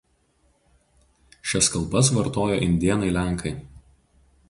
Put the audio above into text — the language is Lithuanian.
Šias kalbas vartojo indėnai lenkai.